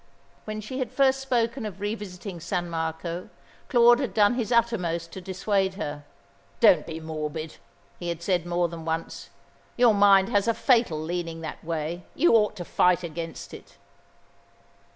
When she had first spoken of revisiting San Marco Claude had done his uttermost to dissuade her. "Don't be morbid," he had said more than once. "Your mind has a fatal leaning that way. You ought to fight against it."